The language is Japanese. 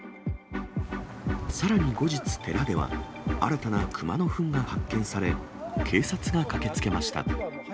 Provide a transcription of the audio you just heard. さらに後日、寺では、新たなクマのふんが発見され、警察が駆けつけました。